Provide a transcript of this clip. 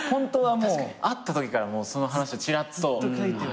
確かに会ったときからもうその話ちらっと。